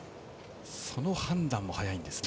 その判断も早いんですね。